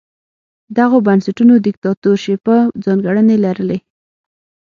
دغو بنسټونو دیکتاتورشیپه ځانګړنې لرلې.